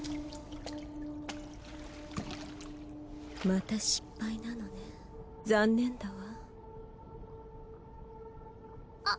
また失敗なのね残念だわあ